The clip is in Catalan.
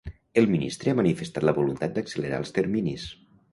El ministre ha manifestat la voluntat d’accelerar els terminis.